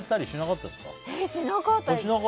しなかったです。